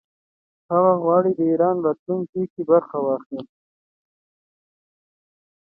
هغه غواړي د ایران راتلونکې کې برخه ولري.